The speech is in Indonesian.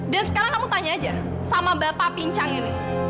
dan sekarang kamu tanya aja sama bapak pincang ini